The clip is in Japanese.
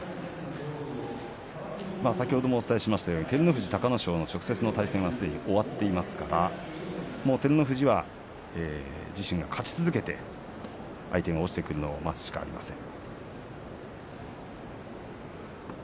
先ほどもお伝えしましたように照ノ富士と隆の勝の直接の対戦はすでに終わっていますから照ノ富士は自身が勝ち続けて相手が落ちてくるのを待つしかありません。